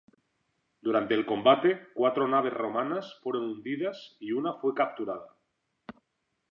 Durante el combate, cuatro naves romanas fueron hundidas y una fue capturada.